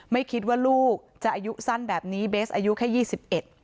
ไม่คิดว่าลูกจะอายุสั้นแบบนี้เบสอายุแค่ยี่สิบเอ็ด